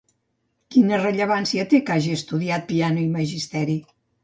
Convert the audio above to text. Quina rellevància té que hagi estudiat piano i magisteri?